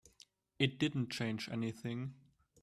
It didn't change anything.